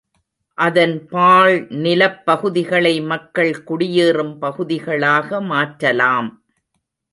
அதன் பாழ் நிலப் பகுதிகளை மக்கள் குடியேறும் பகுதிகளாக மாற்றலாம்.